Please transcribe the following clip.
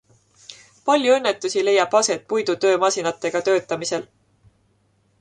Palju õnnetusi leiab aset puidutöömasinatega töötamisel.